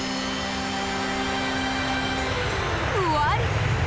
ふわり！